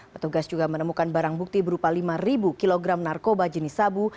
petugas juga menemukan barang bukti berupa lima kg narkoba jenis sabu